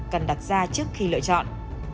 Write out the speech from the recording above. cần đặt ra trước khi lựa chọn